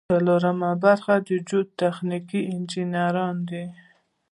څلورمه برخه جیوتخنیک انجنیری ده.